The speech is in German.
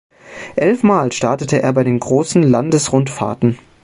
Elf Mal startete er bei den großen Landesrundfahrten.